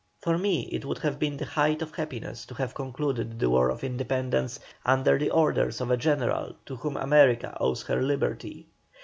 "For me it would have been the height of happiness to have concluded the War of Independence under the orders of a General to whom America owes her liberty.